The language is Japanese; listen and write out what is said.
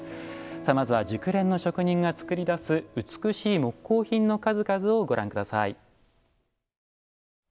まずは、熟練の職人が作り出す美しい木工品の数々をご覧ください。